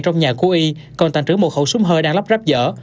trong nhà của y còn tàn trữ một khẩu súng hơi đang lắp ráp giở